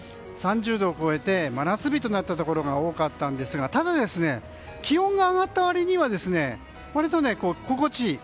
３０度を超えて真夏日となったところが多かったんですがただ、気温が上がった割には心地いい。